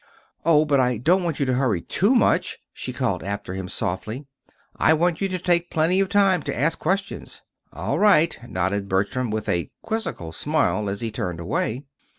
"Oh, but I don't want you to hurry too much," she called after him, softly. "I want you to take plenty of time to ask questions." "All right," nodded Bertram, with a quizzical smile, as he turned away.